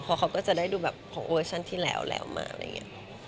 เพราะเขาก็จะได้ดูแบบของเวอร์ชันที่แล้วแล้วมาอะไรอย่างนี้